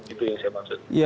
itu yang saya maksud